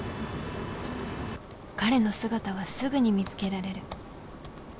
彼の姿はすぐに見つけられる